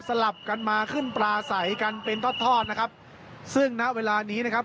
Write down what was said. ลับกันมาขึ้นปลาใสกันเป็นทอดทอดนะครับซึ่งณเวลานี้นะครับ